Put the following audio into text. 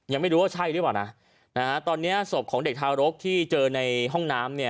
ยังไม่รู้ว่าใช่หรือเปล่านะนะฮะตอนเนี้ยศพของเด็กทารกที่เจอในห้องน้ำเนี่ย